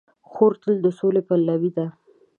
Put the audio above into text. خور تل د سولې پلوي ده.